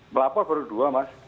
pelapor baru dua mas